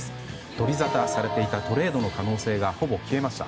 取りざたされていたトレードの可能性がほぼ消えました。